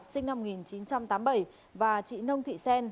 sinh năm một nghìn chín trăm tám mươi bảy chị nông thị xen